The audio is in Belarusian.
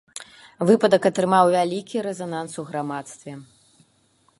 Выпадак атрымаў вялікі рэзананс у грамадстве.